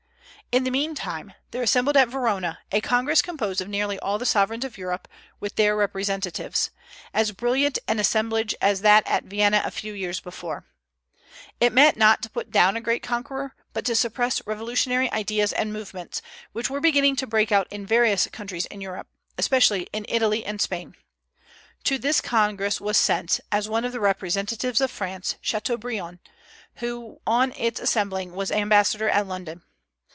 In the meantime there assembled at Verona a Congress composed of nearly all the sovereigns of Europe, with their representatives, as brilliant an assemblage as that at Vienna a few years before. It met not to put down a great conqueror, but to suppress revolutionary ideas and movements, which were beginning to break out in various countries in Europe, especially in Italy and Spain. To this Congress was sent, as one of the representatives of France, Chateaubriand, who on its assembling was ambassador at London.